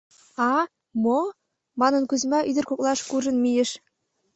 — А-а, мо? — манын, Кузьма ӱдыр коклаш куржын мийыш...